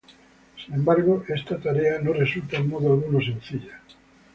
Sin embargo, esta tarea no resulta en modo alguno sencilla.